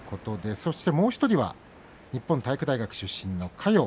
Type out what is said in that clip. もう１人は日本体育大学出身の嘉陽。